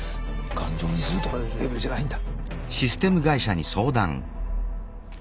頑丈にするとかいうレベルじゃないんだ。